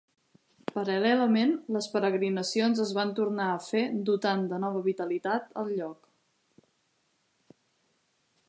Paral·lelament les peregrinacions es van tornar a fer dotant de nova vitalitat el lloc.